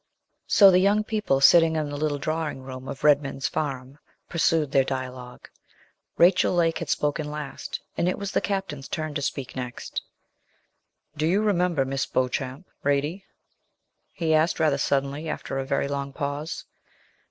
So the young people sitting in the little drawing room of Redman's farm pursued their dialogue; Rachel Lake had spoken last, and it was the captain's turn to speak next. 'Do you remember Miss Beauchamp, Radie?' he asked rather suddenly, after a very long pause.